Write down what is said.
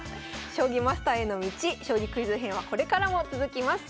「将棋マスターへの道将棋クイズ編」はこれからも続きます。